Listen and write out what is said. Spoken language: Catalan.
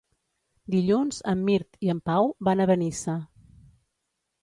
Dilluns en Mirt i en Pau van a Benissa.